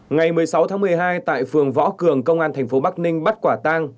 ngày một mươi sáu tháng một mươi hai tại phường võ cường công an tp bắc ninh bắt quả tang